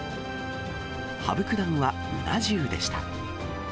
羽生九段はうな重でした。